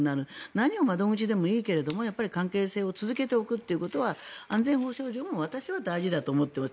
何を窓口でもいいけど何か関係性を続けておくということは安全保障上も私は大事だと思っています。